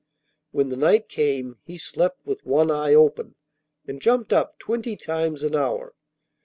When the night came, he slept with one eye open, and jumped up twenty times an hour.